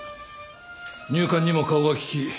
入管にも顔が利き